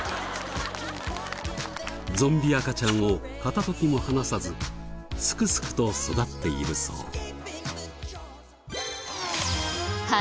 ゾンビ赤ちゃんを片時も離さずすくすくと育っているそう。